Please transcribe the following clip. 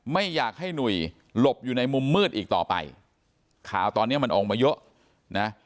ไม่อยากให้หนุ่ยหลบอยู่ในมุมมืดอีกต่อไปข่าวตอนนี้มันออกมาเยอะนะ